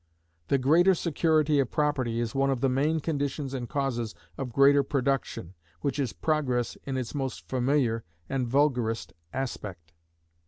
The greater security of property is one of the main conditions and causes of greater production, which is Progress in its most familiar and vulgarest aspect.